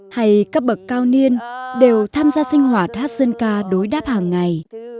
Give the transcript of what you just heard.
hay các bậc cao niên đều tham gia sinh hoạt hát dân ca đối đáp hàng ngày